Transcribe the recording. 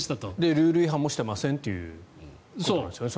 ルール違反もしていませんということなんですよね。